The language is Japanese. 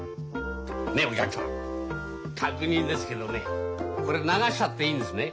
ねえお客さん確認ですけどねこれ流しちゃっていいんですね？